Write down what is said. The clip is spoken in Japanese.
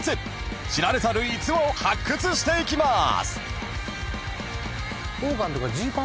［知られざる逸話を発掘していきます］